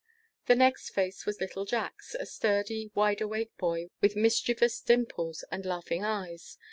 The next face was little Jack's a sturdy, wide awake boy, with mischievous dimples and laughing eyes.